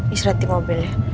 isi rahat ya